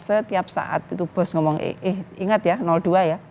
setiap saat itu bos ngomong eh ingat ya dua ya